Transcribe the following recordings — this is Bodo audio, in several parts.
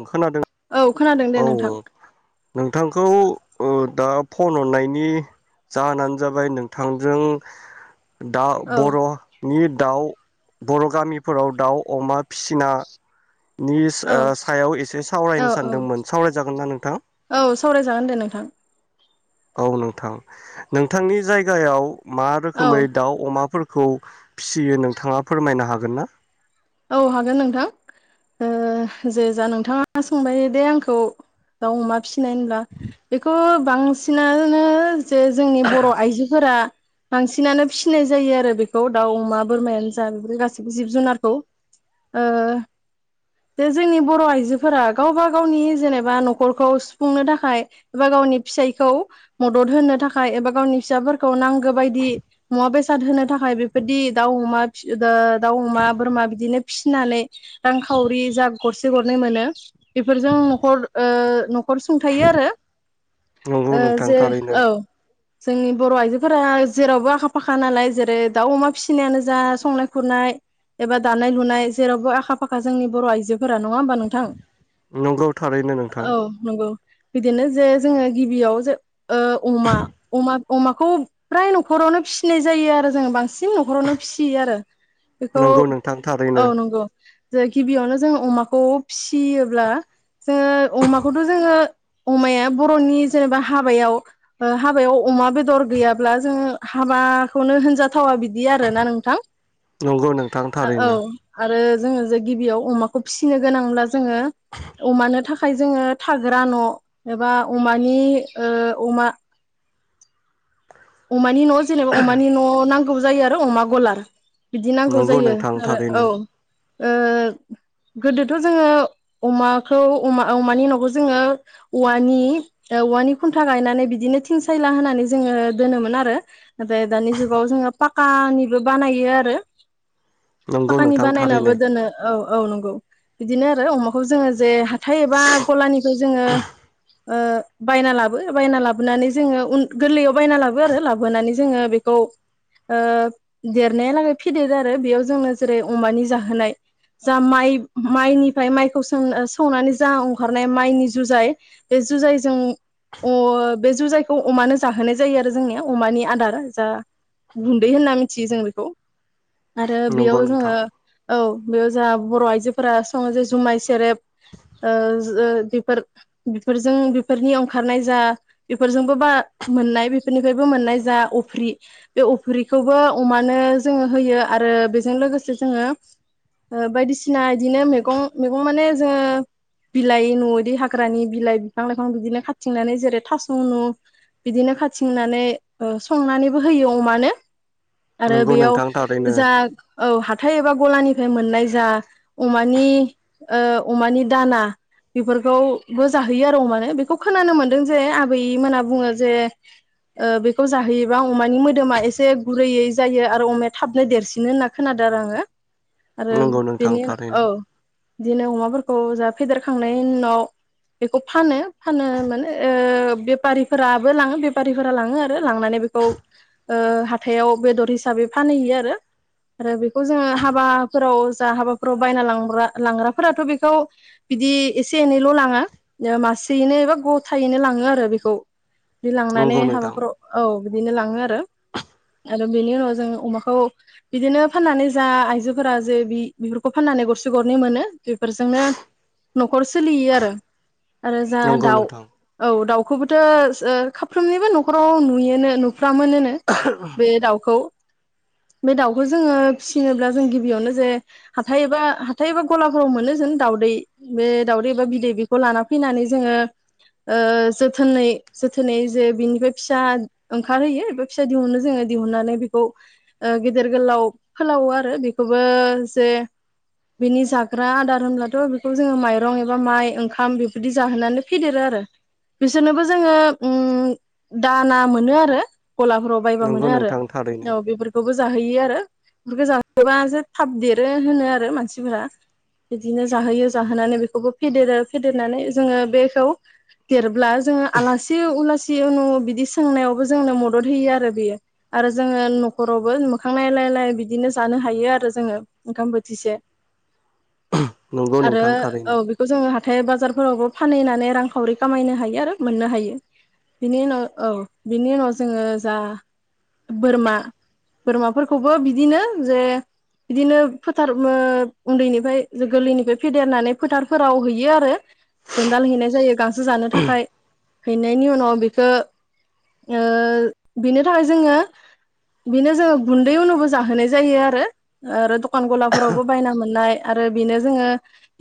ओं खोनादों। औ खोनादों दे औ नोंथां औ नोंथांखौ ओ दा फन हरनायनि जाहोनानो जाबाय नोंथांजों दा औ बर'नि दाउ बर' गामिफोराव दाउ अमा फिसिना निस औ ओ सायाव एसे औ सावरायनो सानदोंमोन। सावरायजागोन ना नोंथां [inaudible] औ सावरायजागोन दे नोंथां। औ नोंथां नोंथांनि जायगायाव मा औ रोखोमै दाउ अमाफोरख खौ फिसियो नोंथाङा फोरमायनो हागोन ना? औ हागोन नोंथां। ओ जे जा नोंथाङा सोंबाय दे आंखौ दाउ अमा फिसिनाय होनबा बेखौ बांसिनानो जे जोंनि बर' आइजोफोरा बांसिनानो फिसिनाय जायो आरो बेखौ दाउ, अमा, बोरमायानो जा बेफोर गाससिबो जिब जुनारखौ। ओ जे जोंनि बर' आइजोफोरा गावबा गावनि जेनेबा न'खरखौ सुफुंनो थाखाय एबा गावनि फिसायखौ मदद होनो थाखाय एबा गावनि फिसाफोरखौ नांग गो बायदि मुवा बेस बेसाद होनो थाखाय बेफोरदि दाउ अमाि फिओ दाउ अमा बोरमा बिदिनो फिनानै रांखावरि जा गरसे गरनै मोनो बेफोरजों न'खर ओ खर सुंथायो आरो नंगौ ओ नोंथां जे थारैनो औ जोंनि बर' आइजोफोरा जेरावबो आखा फाखा नालाय जेरै दाउ अमा फिसिनायानो जा संनाय खुरनाय एबा दानाय लुनाय जेरावबो आखा फाखा जोंनि बर' आइजोफोरानो नङा होमबा नोंथां नंगौ थारैनो नोंथां औ नंगौ बिदिनो जे जोङो गिबियाव जो ओ अमा अमाखौ फ्राय न'खरावनो फिसिनाय जायो आरो जोङो बांसिन [unintelligible] न'खरावनो फिसियो आरो बेखौ औ थांथारैनो नंगौ जे गिबियावनो जों अमाखौ फिसियोब्ला जोङो अमाखौथ' जोङो अमाया बर'नि जेनेबा हाबायाव ओ हाबायाव अमा बेदर गैयाब्ला जों हाबाखौनो होनजा थावा बिदि आरोना नोंथां नंगौ नोंथां ओ औ थारैनो आरो जोङो जे गिबियाव अमाखौ फिसिनो गोनांब्ला जोङो अमानो था खाय जोङो थाग्रा न' एबा अमानि ओ अमा अमा नि न' जेनो अमानि न' नां गौ जायो आरो अमा गलार बिदि नांगौ नंगौ जायो नोंथां आरो औ ओ थारैनो गोदोथ' जोङो अमाखौ अमा अमानि न'खौ जोङो औवानि ओ औवानि खुन्था गायनानै बिदिनो थिं सायला होनानै जोङो दोनोमोन आरो नाथाय दानि जुगाव जोङो पाक खानिबो बानायो आरो नंगौ पाखानि नोंथां बानायनाबो थारैनो दोनो औ औ नंगौ बिदिनो आरो अमाखौ जोङो जे हा थाइ एबा गलानिफाय जोङो ओ बायना लाबो बायना लाबोनानै जोङो उन गोरलैयाव बायना लाबो गौ आरो लाबोनानै जोङो बेखौ ओ देरनायालागै फेदेरो आरो बेयाव जोंनो जेरै अमानि जाहोनाय जा माइ माइनिफ्राय माइखौ सौ ओ सौनानै जावखारनाय माइनि जुजाय बे जुजाइजों अ बे जुजाइखौ अमानो जाहोनाय जायो आ रो जोंनिया अमानि आदार जा गुन्दै होनना मिथियो जों बेखौ आरो नंगौ बेयाव नोंथां जोङो औ बेयाव जा बर' आइजोफोरा सङो जे जुमाय सेरेब ओ ओ बेफोर बेफोरजों बेफोरनि ओंखारनाय जा बेफोरजोंबो बा मोननाय फैरनिफ्रायबो मोननाय जा अफ्रि बे अफ्रिखौबो अमानो जोङो होयो आरो बेजों लोगोसे जोङो ओ बायदिसिना इदिनो मैगं मैगं माने जोङो बिलाइ न' बिदि हाग्रानि बिलाइ बिफां लाइफां बिदिनो खाथिंनानै जेरै थास' नु बिदिनो खा थिंनानै ओ संनानैबो होयो अमानो आरो नंगौ बेयाव नोंथां थारैनो जा औ हा थाइ एबा गलानिफाय मोननाय जा अमानि ओ अमानि दाना बेफोरखौबो जाहोयो आरो अमानो बेखौ खोनानो मोनदों जे आबैमोनहा बुङो जे ओ बेखौ जाहोयोबा अमानि मोदोमा एसे गुरैयै जायो आरो अमाया थाबनो देरसिनो होनना खोनादों आरो आङो आरो नंगौ नोंथां बेनि उन थारैनो औ बिदिनो अमाफोरखौ जा फेदेरखांनायनि उनाव बेखौ फानो फानो माने ओ बेफारिफोराबो लाङो बे फारिफोरा लाङो लांनानै बेखौ ओ हाथायाव बेदर हिसाबै फानहैयो आरो आरो बेखौ जोङो हाबाफोराव जा हाबाफोराव बायना लांग्रा लांग्राफोराथ' बेखौ बिदि एसे एनैल' लाङा ओ मासेयैनो एबा गथायैनो लाङो आरो बेखौ मानि नंगौ नोंथां हाबाफोराव औ बिदिनो लाङो आरो आरो बेनि उनाव जों अमाखौ बिदिनो फाननानै जा आइजोफोरा जे बि बेफोरखौ फाननानै गरसे गरनै मोनो बेफोरजोंनो न'खर सोलियो आरो आरो जा नंगौ दाउ नोंथां औ दाउ खुबौथ'अ खा साफ्रोमनिबो न'खराव नुयोनो नु फ्रा मोनोनो बे दाउखौ। बे दाउखौ जोङो फिसिनोब्ला जों गिबियावनो जे हाथाय एबा हाथाय एबा गलाफोराव मोनो जों दाउदै बे दाउदै एबा बिदै बेखौ लाना फैनानै जोङो जोथोनै जोथोनै जे बिनिफ्राय फिसा ओंखारहोयो एबा फिसा दिहुनो जोङो दिहुननानै बेखौ ओ गेदेर गोलाव फोलावो आरो बेखौबो जे बिनि जाग्रा आदार होनब्लाथ' बेखौ जोङो माइरं एबा माइ ओंखाम बेफोरदि जाहोनानै फेदेरो आरो बिसोरनोबो जोङो उ दाना मोनो आरो गलाफोराव बायबा मोनो नंगौ आरो नोंथां थारैनो औ बेफोरखौबो जों जाहोयो आरो बेखौ जाहोबा जे थाब देरो होनो आरो मानसिफोरा बिदिनो जाहोयो जाहोनानै बेखौबो फेदेरो फेदेरनानै जोड़ो बेखौ देरब्ला जोड़ो आलासि-उलासि उनु बिदि सोंनायावबो जोंनो मदद होयो आरो बेयो आरो जोङो न'खरावबो मोखां नायलायलाय बिदिनो जानो हायो आरो जोङो ओंखाम बोथिसे नंगौ आरो नोंथां औ थारैनो बेखौ जोङो हाथाय बाजार फोरावबो फानहैनानै रांखावरि खामायनो हायो आरो मोननो हायो। बिनि उनाव औ बिनि उनाव जोङो जा बोरमा-बोरमाफोरखौबो बिदिनो जे बिदिनो फोथार ओ उन्दैनिफ्राय गोरलैनिफ्राय फेदेरनानै फोथारफोराव हैयो आरो जोनदाल हैनाय जायो गां सो जानो थाखाय। हैनायनि उनाव बेखौ ओ बिनो थाखाय जोङो बेनो जोङो गुन्दै उनावबो जाहोनाय जायो आरो आरो दखान गलाफोरावबो बायना मोननाय आरो बेनो जोङो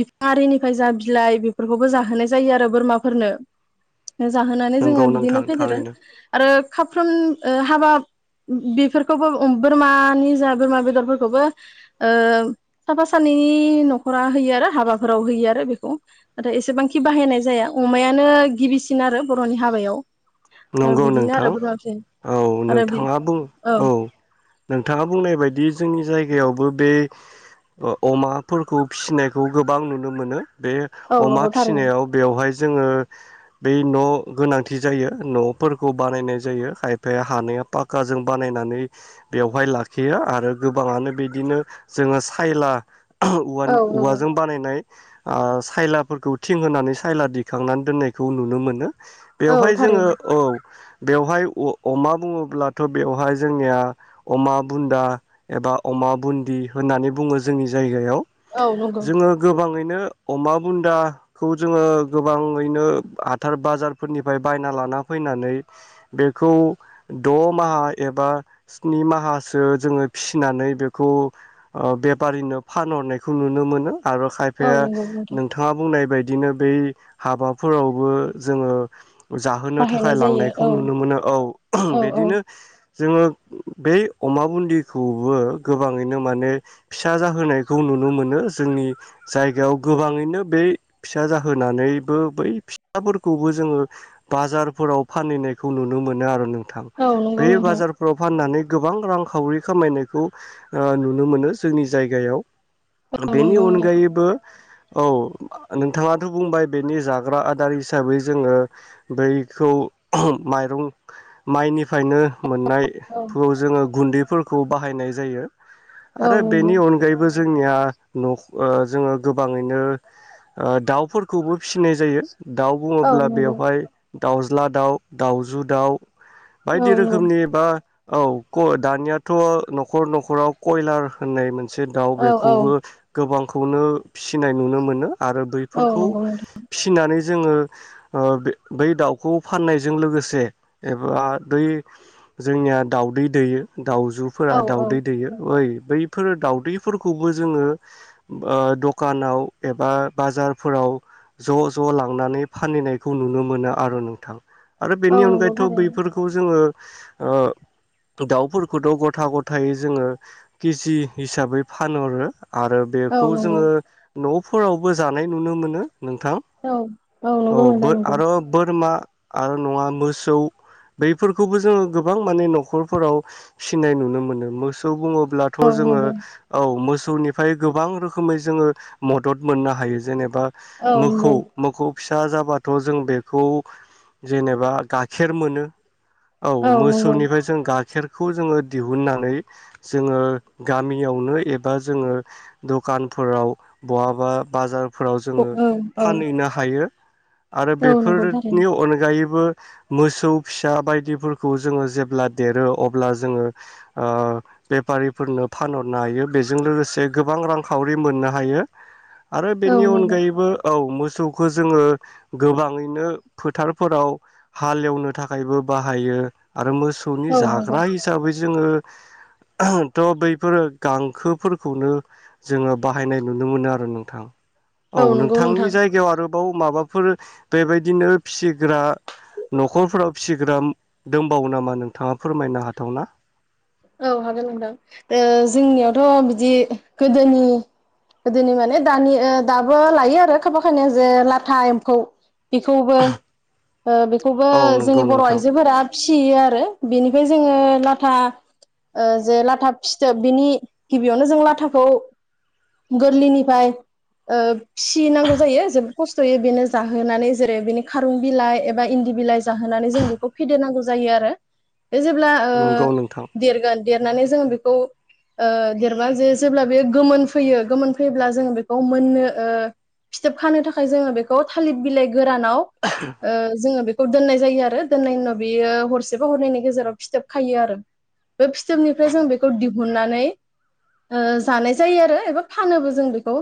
बिफां आरिनिफ्राय जा बिलाइ बेफोरखौबो जाहोनाय जायो आरो बोरमाफोरनो। जाहोनानै जोङो नंगौ नो नोंथां फेदेरो थारैनो आरो खाफ्रोम हाबा बेफोरखौबो बोरमानि जा बोरमा बेदरफोरखौबो ओ साफा सानैनि न'खरा होयो आरो हाबाफोराव होयो आरो बेखौ नाथाय एसेबांखि बाहायनाय जाया अमायानो गिबिसिन आरो बर'नि हाबायाव। ओ नंगौ बिदिनो आरो नोंथां बोरमा फिसिनाय औ आरो बि नोंथाङा बुं औ नोंथाङा बुंनाय बायदि जोंनि जाय गायावबो बे अमाफोरखौ फिसिनायखौ गोबां नुनो मोनो। बे औ अमा नंगौ थारैनो फिसिनायाव बेवहाय जोङो बै न' गोनांथि जायो न'फोरखौ बानायनाय जायो खायफाया हानाया पाक्काजों बानायनानै बेवहाय लाखियो आरो गोबाङानो बिदिनो जोङो सायला औ नंगौ औवा-औवाजों बानायनाय अ सायलाफोरखौ थिं होनानै सायला दिखांनानै दोननायखौ नुनो मोनो। औ जोङो थारैनो औ बेवहाय अमा बुङोब्लाथ' बेवहाय जोंनिया अमा बुन्दा एबा अमा बुन्दि होननानै बुङो जोंनि जायगायाव औ नंगौ जोङो गोबाङैनो नो अमा बुानदाखौ जोङो गोबाङैनो हाथार -बाजार फोरनिफ्राय बायना लाना फैनानै बेखौ द' माहा एबा स्नि माहासो जोङो फिसिनानै बेखौ बेफारिनो फानहरनायखौ नुनो मोनो। आरो औ खायफाया नंगौ नोंथां नोंथाङा बुंनाय बायदि बिदिनो बै हाबाफोरावबो जोङो जाहोनो थाखाय बाहायनाय जायो लांनायखौ औ नुनो मोनो औ औ औ बिदिनो जोङो बै अमा बुनदिखौबो गोबाङैनो माने फिसा जाहोनायखौ नुनो मोनो जोंनि जायगायाव गोबाङैनो बे फिसा जाहोनानैबो बै फिसाफोरखौबो जोङो बाजारफोराव फानहोयनाय खौ नुनो मोनो आरो नों थां औ नंगौ बे नोंथां बाजारफ्राव फाननानै गोबां रांखावरि खामायनायखौ ओ नुनो मोनो जोंनि जायगायाव औ बेनि नंगौ नोंथां उनगायैबो औ नोंथाङाथ' बुंबाय बेनि जाग्रा आदार हिसाबै जोङो बैखौ माइरं माइनिफ्रायनो मोननाय औ फु जोङो गुन्दै फोरखौ बाहायनाय जायो औ आरो नंगौ बेनि अनगायैबो जोंनिया न' ओ जोङो गोबाङैनो ओ दाउफोरखौबो फिसिनाय जायो दाउ औ बुङोब्ला नंगौ बेवहाय दाउज्ला दाउ दाउजु दाउ औ बायदि नंगौ रोखोमनि बा औ खु दानियाथ' न'खर न'खराव कयलार होननाय मोन मोनसे दाउ औ औ बेखौबो गोबां खौनो फिसिनाय नुनो मोनो आरो औ बैफोरखौ नंगौ नोंथां फिनानै जोङो बै दाउखौ फाननायजों लोगोसे एबा बे जोंनिया दाउदै दैयो औ दाउजुफोरा औ दाउदै दैयो ओइ बैफोर दाउदैफोरखौबो जोङो ओ दखानाव एबा बाजारफोराव ज' ज' लांनानै फानहैनायखौ नुनो मोनो मोना आरो नोंथां। आरो औ बेनि नंगौ अनगायैथ' थारैनो बैफोरखौ जोङो ओ दाउफोरखौथ' ग'था ग'थायै जोङो केजि हिसाबै फानहरो। आरो औ बेखौ नंगौ जोङो न'फोरावबो जानाय नुनो मोनो। नोंथां औ औ नंगौ नोंथां नं आरो बोरमा आरो नङा मोसौ बैफोरखौबो जोङो गोबां माने न'खरफोराव फिसिनाय नुनो मोनो। मोसौ बुङो ब्ला औ थ' जोङो नंगौ औ मोस सौनिफ्राय गोबां रोखोमै जोङो मदद मोननो हायो जेने बा औ मोखौ नंगौ मोखौ फिसा जाबा थ' जों बेखौ जेनेबा गाखेर मोनो। औ मोसौनिफ्राय जों गाखेर खौ जोङो दिहुननानै जोङो गामियावनो एबा जोङो द'खानफोराव बहाबा बाजार फोराव जोङो औ औ फानहैनो हायो। आरो औ नंगौ बेफोरनि थारैनो अनगायै बो मोसौ फिसा बायदिफोरखौ जोङो जेब्ला देरो अब्ला जोङो ओ बेफारिफोरनो फानहरनो हायो बेजों लोगोसे गोबां रांखावरि मोननो हायो। आरो औ बेनि नंगौ अनगायैबो औ मोस सौखो जोङो गोबाङैनो फोथारफोराव हालेवनो थाखायबो बाहायो आरो मोसौनि औ नंगौ जाग्रा हिसाबै जोङो [unintelligible] थ' बैफोरो गांखोफोरखौनो जोङो बाहायनाय नुनो मोनो आरो नोंथां। औ नंगौ नोंथांनि नोंथां जायगायाव आरो औ माबा फोर बेबायदिनो फिसिग्रा न'खरफोराव फिसिग्रा दंबावो नामा नोंथाङा फोरमायनो हाथावना? औ हागोन नोंथां ओ जोंनियावथ' बिदि गोदोनि गोदोनि माने दानि ओ दाबो लायो आरो खाफा खानिया जे लाथा एम्फौ बेखौबो ओ बेखौबो औ नंगौ जोंनि बर' नोंथां आइजोफोरा फिसियो आरो। बेनिफ्राय जोङो लाथा ओ जे लाथा फिथोब बिनि गिबियावनो जों लाथाखौ गोरलैनिफ्राय ओ फिसिनांगौ जायो जोबोद खस्थ'यै बेनो जाहोनानै जेरै बेनि खारुन बिलाइ एबा इन्दि बिलाइ जाहोनानै जों बेखौ फेदेरनांगौ जायो आरो। बे जेब्ला नंगौ नोंथां ओ देरनानै जोङो बेखौ ओ देरना जे जेब्ला बे गोमोन फैयो गोमोन फैयोब्ला जोङो बेखौ मोननो ओ फिथोब खानो थाखाय जोङो बेखौ थालिर बिलाइ गोरानाव ओ जोङो बेखौ खौ दोननाय जायो आरो दोननायनि उनाव बियो हरसेबा हरननायनि गेजेराव फिथोब खायो आरो बे फिथोबनिफ्राय जों बेखौ दिहुननानै ओ जानाय जायो आरो एबा फानोबो जों बेखौ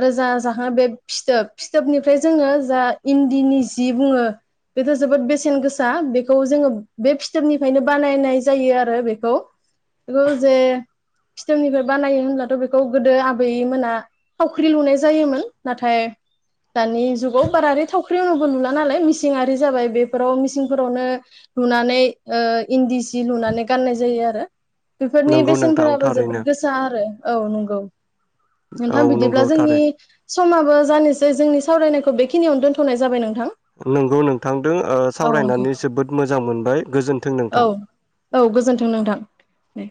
आरो जा जाहाङो बे फिथोब फिथोबनिफ्राय जोङो जा इन्दिनि जि बुङो बेथ' जोबोद बेसेन गोसा बेखौ जोङो बे फिथोबनिफ्रायनो बानायनाय जायो आरो बे खौ जे फिथोबनिफ्राय बानायो होनब्लाथ' बेखौ गोदो आबैमोना थावख्रि लुनाय जायोमोन नाथाय दानि जुगाव बारा [unintelligible] [unintelligible] लुला नालाय मिसिंआारि जाबाय बेफोराव मिसिंफोरावनो लुनानै ओ इन्दि जि जि लुनानै गाननाय दै आरो बेफोरनि नंगौ नोंथां बेसेनफोराबो जोबोद थारैनो गोसा आरो औ नंगौ। औ नोंथां बिदिब्ला नंगौ जोंनि थारै समाबो जानोसै जोंनि सावरायनायखौ बेखिनियावनो दोनथ'नाय जाबाय नों नंगौ नोंगौ नोंथांदों नंगौ सावरायनानै जोबोद मोजां मोजां मोनबाय गोजोन्थों औ नोंथां औ गोजोन्थों नोंथां। नै